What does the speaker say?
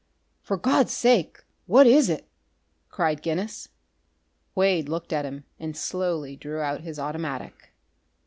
"For God's sake, what is it?" cried Guinness. Quade looked at him and slowly drew out his automatic.